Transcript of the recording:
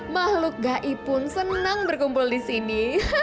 makhluk gaib pun senang berkumpul di sini